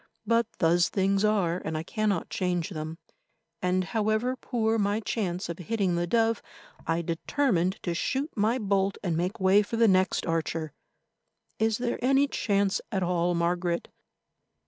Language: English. But thus things are, and I cannot change them, and, however poor my chance of hitting the dove, I determined to shoot my bolt and make way for the next archer. Is there any chance at all, Margaret?